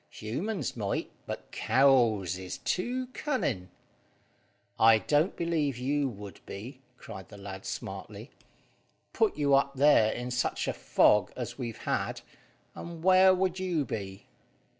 Humans might, but cows is too cunning." "I don't believe you would be," cried the lad smartly. "Put you up there in such a fog as we've had, and where would you be?"